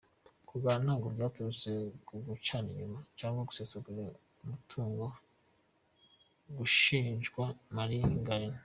Kurwana ntabwo byaturutse ku gucana inyuma cyangwa gusesagura umutungo bishinjwa Mariah Carey.